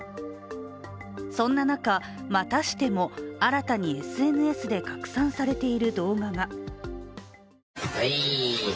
そんな中、またしても新たにＳＮＳで拡散されている動画が。